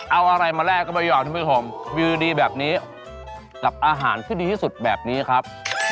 เอาอะไรมาแลกก็ไม่ยอมท่านผู้ชมวิวดีแบบนี้กับอาหารที่ดีที่สุดแบบนี้ครับ